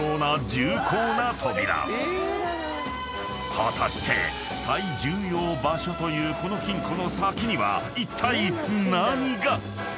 ［果たして最重要場所というこの金庫の先にはいったい何が⁉］